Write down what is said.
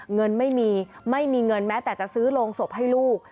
เงินไม่มีไม่มีเงินแม้แต่จะซื้อโรงศพให้ลูก